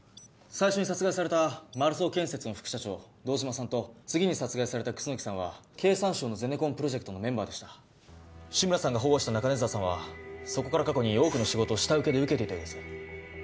最初に殺害された丸双建設の副社長堂島さんと次に殺害された楠さんは経産省のゼネコンプロジェクトのメンバーでした志村さんが保護した中根沢さんはそこから過去に多くの仕事を下請けで受けていたようです